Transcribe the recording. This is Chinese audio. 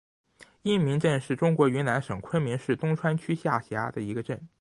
因民镇是中国云南省昆明市东川区下辖的一个镇。